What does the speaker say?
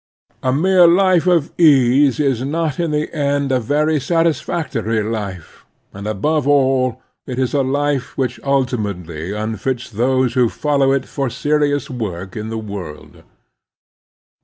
A mere life of ease is not in the end a very satisfac tory life, and, above all, it is a life which ultimately unfits those who follow it for serious work in the world.